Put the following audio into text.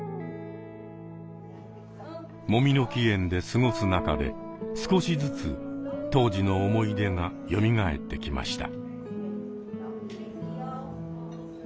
もみの木苑で過ごす中で少しずつ当時の思い出がよみがえってきました。